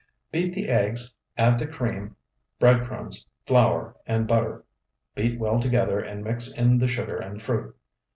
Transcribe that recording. Beat the eggs, add the cream, bread crumbs, flour, and butter. Beat well together, and mix in the sugar and fruit.